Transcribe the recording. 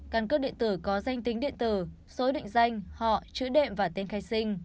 cân cước điện tử có danh tính điện tử số định danh họ chữ đệm và tên khai sinh